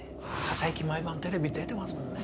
あ最近毎晩テレビ出てますもんね。